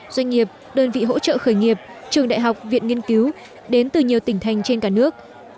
doanh nghiệp đơn vị hỗ trợ khởi nghiệp trường đại học viện nghiên cứu đến từ nhiều tỉnh thành trên cả nước